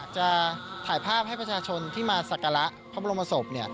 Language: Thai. จะถ่ายภาพให้ประชาชนที่มาสักการะพระบรมศพ